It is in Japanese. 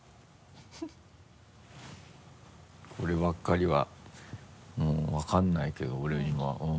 こればっかりはもう分からないけど俺には。